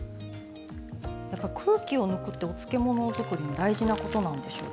空気を抜くってお漬物のときは大事なことなんでしょうか。